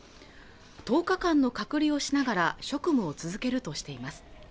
１０日間の隔離をしながら職務を続けるとしています